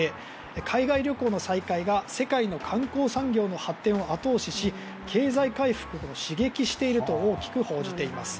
海外旅行の再開が世界の観光産業の発展を後押しし経済回復を刺激していると大きく報じています。